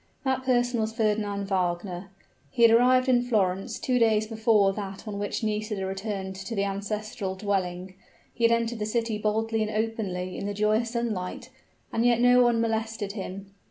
That person was Fernand Wagner. He had arrived in Florence two days before that on which Nisida returned to the ancestral dwelling: he had entered the city boldly and openly in the joyous sun light and yet no one molested him.